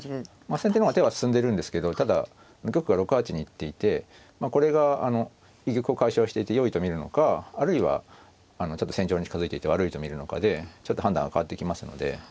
先手の方が手は進んでるんですけどただ玉が６八に行っていてこれが居玉を解消していてよいと見るのかあるいはちょっと戦場に近づいていて悪いと見るのかでちょっと判断が変わってきますので。